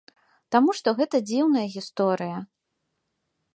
Таму што гэта дзіўная гісторыя.